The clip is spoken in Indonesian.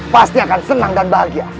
pasti akan senang dan bahagia